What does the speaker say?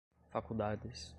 faculdades